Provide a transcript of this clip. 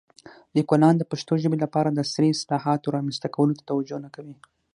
لیکوالان د پښتو ژبې لپاره د عصري اصطلاحاتو رامنځته کولو ته توجه نه کوي.